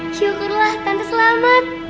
syukurlah tante selamat